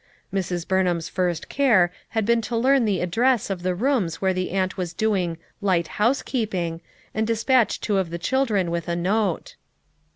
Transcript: Mrs. Burnham's first care had been to learn the address of the rooms where the aunt was doing "light housekeeping," and despatch two of the children with a note.